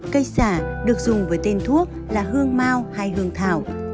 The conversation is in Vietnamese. cây xả được dùng với tên thuốc là hương mao hay hương thảo